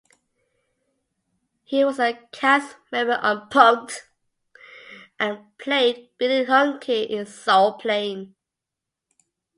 He was a cast member on "Punk'd" and played Billy Hunkee in "Soul Plane".